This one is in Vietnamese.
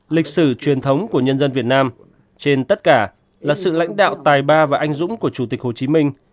lịch sử truyền thống của nhân dân việt nam trên tất cả là sự lãnh đạo tài ba và anh dũng của chủ tịch hồ chí minh